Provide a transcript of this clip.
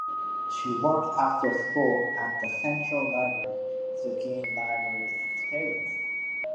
She worked after school at the central library to gain library experience.